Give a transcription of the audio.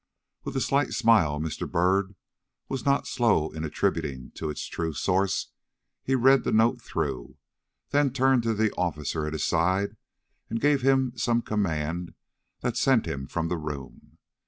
With a slight smile Mr. Byrd was not slow in attributing to its true source, he read the note through, then turned to the officer at his side and gave him some command that sent him from the room.